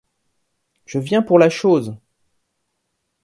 Je viens pour la chose.